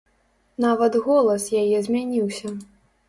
Нават голас яе змяніўся.